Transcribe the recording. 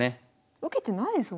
受けてないですもんね。